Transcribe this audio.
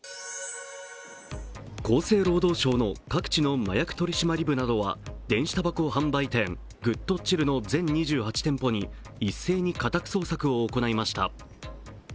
厚生労働省の各地の麻薬取締部などは電子たばこ販売店、ＧＯＯＤＣＨＩＬＬの全２８店舗に一斉に家宅捜索を行いました。